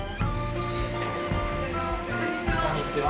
こんにちは。